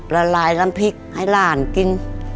ละลายน้ำพริกให้หลานกิน